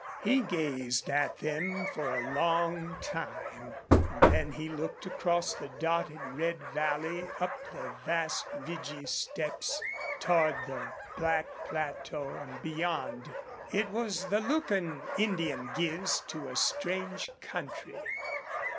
He gazed at them for a long time, and then he looked across the dotted red valley up the vast ridgy steps, toward the black plateau and beyond. It was the look that an Indian gives to a strange country.